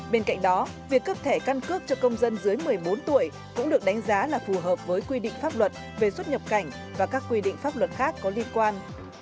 bên cạnh đó việc cấp thẻ căn cước cho công dân dưới một mươi bốn tuổi cũng được đánh giá là phù hợp với quy định pháp luật về xuất nhập cảnh và các quy định pháp luật khác có liên quan